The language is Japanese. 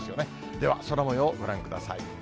では、空もようをご覧ください。